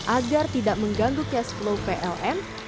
agar tidak mengganggu cashflow pln